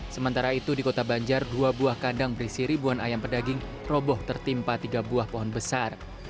sementara itu di kota banjar dua buah kandang berisi ribuan ayam pedaging roboh tertimpa tiga buah pohon besar